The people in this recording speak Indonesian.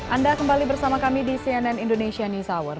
anda kembali bersama kami di cnn indonesia news hour